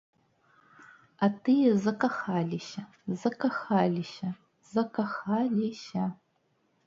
А тыя закахаліся, закахаліся, закахаліся!